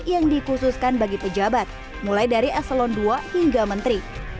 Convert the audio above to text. yang dikhususkan bagi pejabat mulai dari eselon ii hingga menteri